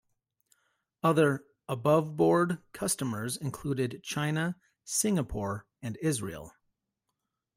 Other "aboveboard" customers included China, Singapore and Israel.